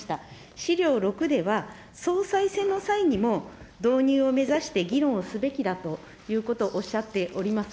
資料６では、総裁選の際にも、導入を目指して議論をすべきだということをおっしゃっております。